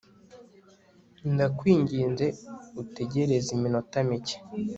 ndakwinginze utegereze iminota mike